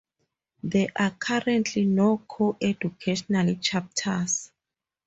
There are currently no co-educational chapters.